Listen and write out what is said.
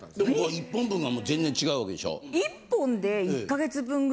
１本分が全然違うわけでしょ？